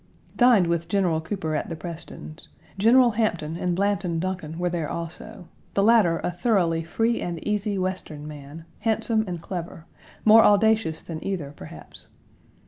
Dined with General Cooper at the Prestons. General Hampton and Blanton Duncan were there also; the latter a thoroughly free and easy Western man, handsome and clever; more audacious than either, perhaps.